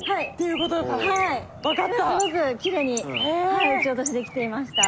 今すごくきれいに打ち落としできていました。